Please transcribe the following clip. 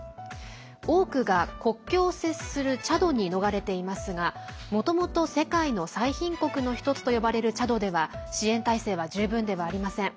多くが国境を接するチャドに逃れていますがもともと世界の最貧国の１つと呼ばれるチャドでは支援体制は十分ではありません。